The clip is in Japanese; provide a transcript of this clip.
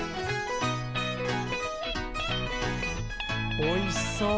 おいしそう。